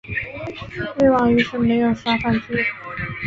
魏王于是没有杀范痤。